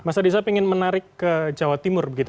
mas adhisa ingin menarik ke jawa timur begitu